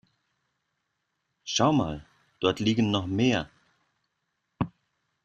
Schau mal, dort liegen noch mehr.